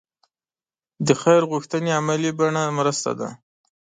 د خیر غوښتنې عملي بڼه مرسته ده.